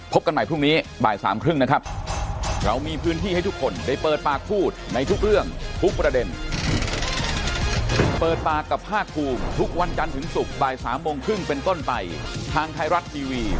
พบกันใหม่พรุ่งนี้บ่าย๓๓๐นะครับ